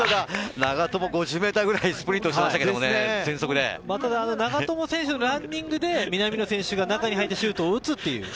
長友、５０ｍぐらいスプ長友選手のランニングで南野選手が中に入ってシュートを打つという。